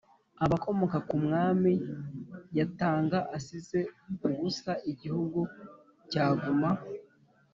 abakomoka ku mwami yatanga asize ubusa, igihugu cyaguma